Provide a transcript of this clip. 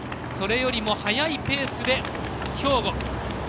それよりも速いペースで兵庫。